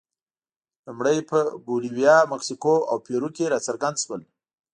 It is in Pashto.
لومړی په بولیویا، مکسیکو او پیرو کې راڅرګند شول.